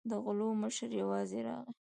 د غلو مشر یوازې راغی.